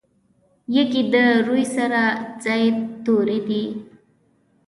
یږي د روي سره زاید توري دي.